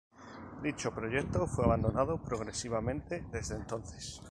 Dicho proyecto fue abandonando progresivamente desde entonces.